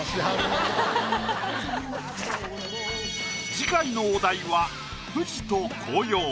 次回のお題は「富士と紅葉」。